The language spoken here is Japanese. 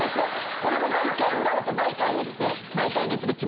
これも毎回ふられて毎回見せて。